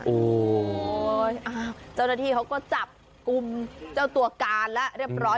โอ้โหเจ้าหน้าที่เขาก็จับกลุ่มเจ้าตัวการแล้วเรียบร้อย